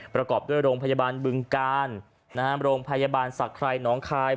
ประกอบด้วยโรงพยาบาลบึงกาลโรงพยาบาลศักดิ์ไรน้องคาย